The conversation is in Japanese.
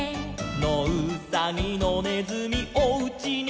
「のうさぎのねずみおうちにはこぶ」